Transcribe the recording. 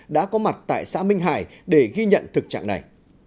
đã có mặt tại xã minh hải để ghi nhận thực trạng này